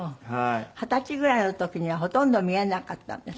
二十歳ぐらいの時にはほとんど見えなかったんですって？